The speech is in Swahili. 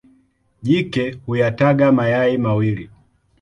Jike huyataga mayai mawili.